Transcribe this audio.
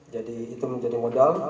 jadi itu menjadi modal